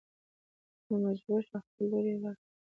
نو مجبور شو خپله لور يې ور کړه.